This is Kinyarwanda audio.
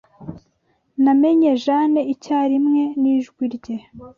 Namenye Jane icyarimwe nijwi rye.